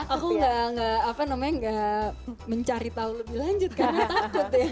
aku gak apa namanya gak mencari tahu lebih lanjut karena takut deh